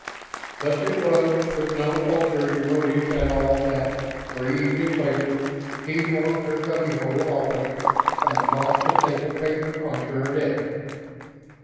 Thus it was with no ulterior motives at all that, three evenings later, he walked her cubby hole office and tossed the stapled papers onto her desk.